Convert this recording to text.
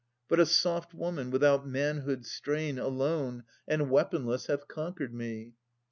But a soft woman without manhood's strain Alone and weaponless hath conquered me.